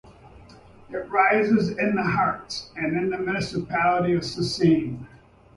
It rises in the Harz, in the municipality of Seesen.